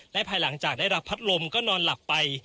และภายหลังจากได้รับพัดลมก็นอนหลับไป